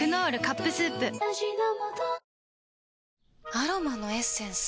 アロマのエッセンス？